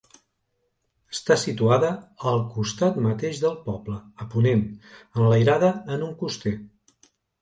Està situada al costat mateix del poble, a ponent, enlairada en un coster.